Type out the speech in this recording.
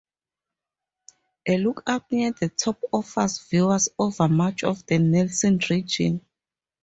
A lookout near the top offers views over much of the Nelson region.